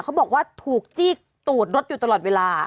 เขาบอกว่าถูกจี้ตูดรถอยู่ตลอดเวลา